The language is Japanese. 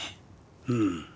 うん。